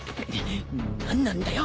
何なんだよ